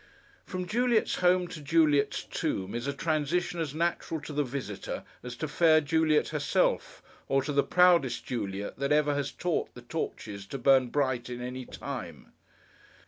From Juliet's home, to Juliet's tomb, is a transition as natural to the visitor, as to fair Juliet herself, or to the proudest Juliet that ever has taught the torches to burn bright in any time.